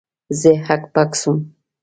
زه هک پک سوم.